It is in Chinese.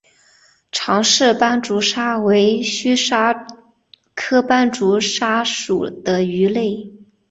长鳍斑竹鲨为须鲨科斑竹鲨属的鱼类。